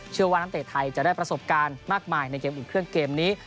ว่านักเตะไทยจะได้ประสบการณ์มากมายในเกมอุ่นเครื่องเกมนี้